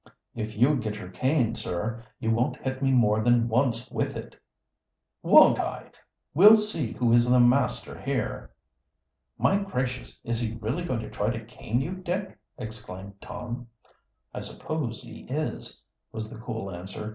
"If you get your cane, sir, you won't hit me more than once with it." "Won't I? We'll see who is master here." "My gracious! Is he really going to try to cane you, Dick!" exclaimed Tom. "I suppose he is," was the cool answer.